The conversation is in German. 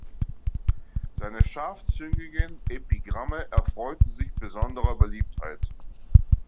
Seine scharfzüngigen Epigramme erfreuten sich besonderer Beliebtheit.